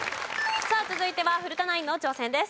さあ続いては古田ナインの挑戦です。